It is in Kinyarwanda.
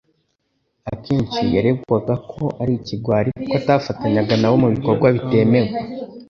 Akenshi yaregwaga ko ari ikigwari kuko atafatanyaga na bo mu bikorwa bitemewe